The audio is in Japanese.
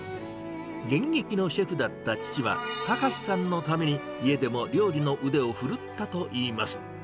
現役のシェフだった父は、崇さんのために、家でも料理の腕を振るったといいます。